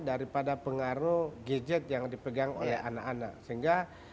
daripada pengaruh gadget yang dipegang oleh anak anak sehingga tahap kedua yang kami tempuh